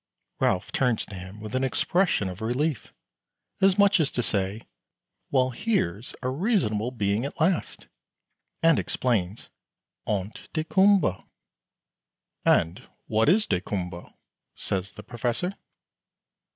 Ralph turns to him with an expression of relief, as much as to say, "Well, here's a reasonable being at last," and explains, "Ont daykumboa." "And what is daykumboa?" says the Professor.